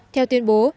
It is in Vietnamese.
theo tuyên bố